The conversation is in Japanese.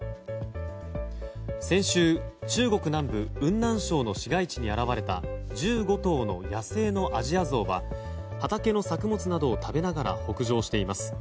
先週、中国南部雲南省の市街地に現れた１５頭の野生のアジアゾウは畑の作物などを食べながら北上しています。